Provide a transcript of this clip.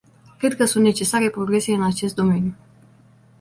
Cred că sunt necesare progrese în acest domeniu.